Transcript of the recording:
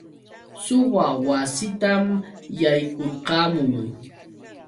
Suwa wasiitan yaykurqamun.